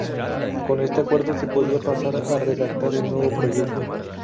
Con este acuerdo se podía pasar a redactar el nuevo proyecto.